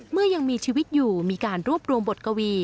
เมื่อยังมีชีวิตอยู่มีการรวบรวมบทกวี